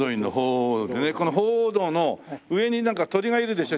この鳳凰堂の上に鳥がいるでしょ？